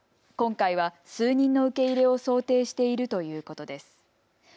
今回は数人の受け入れを想定しているということです。